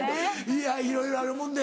いやいろいろあるもんで。